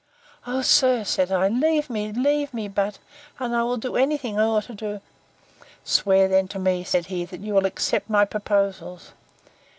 O sir, said I, leave me, leave me but, and I will do any thing I ought to do.—Swear then to me, said he, that you will accept my proposals!